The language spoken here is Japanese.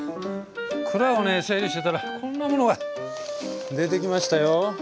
蔵をね整理してたらこんなものが出てきましたよ。